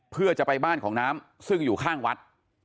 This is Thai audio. เพื่อจะไปบ้านของน้ำซึ่งอยู่ข้างวัด